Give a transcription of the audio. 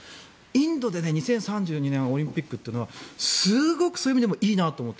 インドで２０３２年オリンピックというのはすごくそういう意味でもいいなと思って。